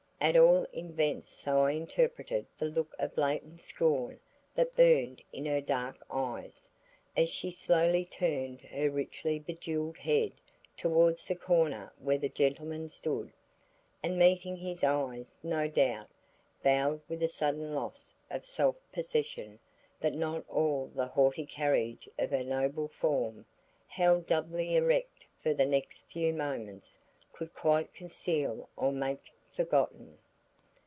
At all events so I interpreted the look of latent scorn that burned in her dark eyes, as she slowly turned her richly bejeweled head towards the corner where that gentleman stood, and meeting his eyes no doubt, bowed with a sudden loss of self possession that not all the haughty carriage of her noble form, held doubly erect for the next few moments, could quite conceal or make forgotten.